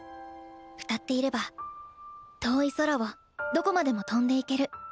歌っていれば遠い空をどこまでも飛んでいける。